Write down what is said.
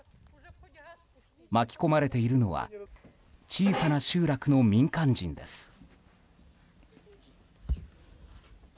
巻き込まれているのは小さな集落の民間人です。